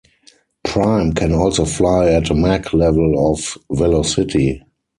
Prime can also fly at Mach-level of velocity.